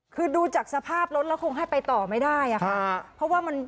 คือดูจากสภาพรถแล้วคงให้ไปต่อไม่ได้อะค่ะเพราะว่ามัน